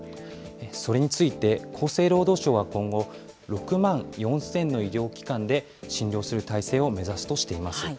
それについて、厚生労働省は今後、６万４０００の医療機関で診療する体制を目指すとしています。